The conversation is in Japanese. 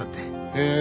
へえ！